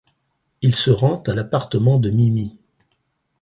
Il se rend à l'appartement de Mimi.